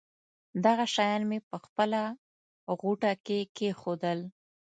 دغه شیان مې په خپله غوټه کې کېښودل.